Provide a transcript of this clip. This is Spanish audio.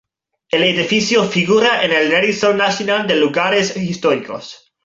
El edificio figura en el Registro Nacional de Lugares Históricos.